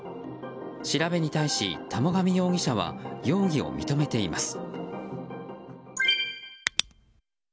調べに対し、田母神容疑者は容疑を認めています。